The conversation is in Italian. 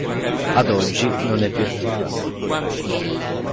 Ad oggi non è più attiva.